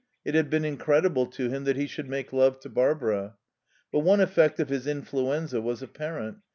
It had been incredible to him that he should make love to Barbara. But one effect of his influenza was apparent.